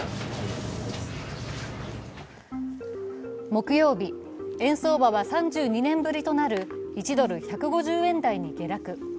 木曜日、円相場は３２年ぶりとなる１ドル＝１５０円台に下落。